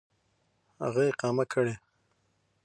هغه اقامه كړي .